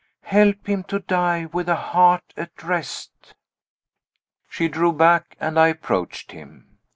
Help him to die with a heart at rest." She drew back and I approached him.